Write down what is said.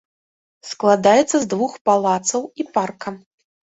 Складаецца з двух палацаў і парка.